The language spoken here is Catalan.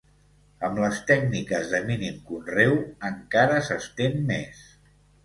Amb les tècniques de mínim conreu encara s'estén més.